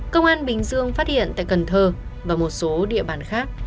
công an bình dương phát hiện tại cần thơ và một số địa bàn khác